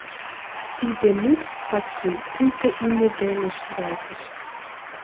Тиде мут Паким пуйто име дене шуралтыш.